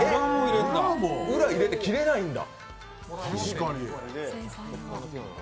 裏入れて、切れないんだ。